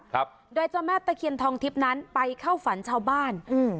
ครับโดยเจ้าแม่ตะเคียนทองทิพย์นั้นไปเข้าฝันชาวบ้านอืม